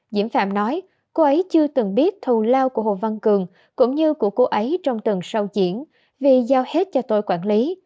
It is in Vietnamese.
diễm phạm nói cô ấy chưa từng biết thù lao của hồ văn cường cũng như của cô ấy trong tuần sau diễn vì giao hết cho tôi quản lý